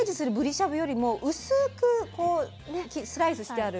しゃぶよりも薄くこうスライスしてある。